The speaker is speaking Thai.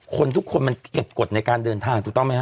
คนทุกคนมันเก็บกฎในการเดินทางถูกต้องไหมฮ